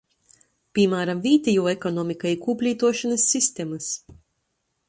Pīmāram, vītejuo ekonomika i kūplītuošonys sistemys.